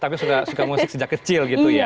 tapi sudah suka musik sejak kecil gitu ya